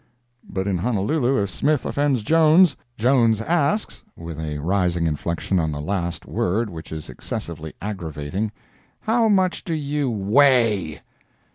But in Honolulu, if Smith offends Jones, Jones asks (with a rising inflection on the last word, which is excessively aggravating,) "How much do you weigh?"